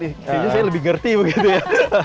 sehingga saya lebih ngerti begitu ya